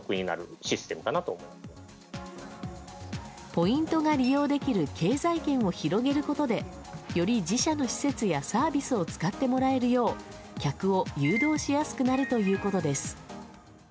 ポイントが利用できる経済圏を広げることでより自社の施設やサービスを使ってもらえるよう客を誘導しやすくなるということです。